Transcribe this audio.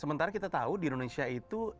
sementara kita tahu di indonesia itu